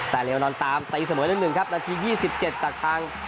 แต่เรียบร้อนตามตะอีกเสมอเล่นหนึ่งครับนาที๒๗ต่อทาง